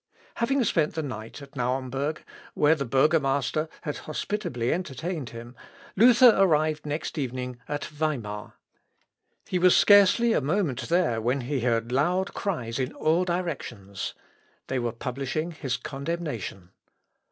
Having spent the night at Naumburg, where the burgomaster had hospitably entertained him, Luther arrived next evening at Weimar. He was scarcely a moment there when he heard loud cries in all directions. They were publishing his condemnation.